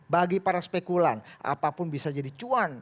bagi para spekulan apapun bisa jadi cuan